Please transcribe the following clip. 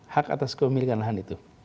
hak atas kepemilikan lahan itu